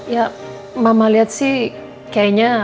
ya mama lihat sih kayaknya